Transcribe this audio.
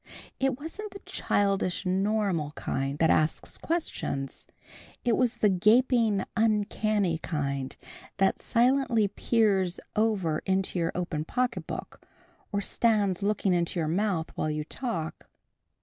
It wasn't the childish normal kind that asks questions. It was the gaping, uncanny kind that silently peers over into your open pocketbook, or stands looking into your mouth while you talk.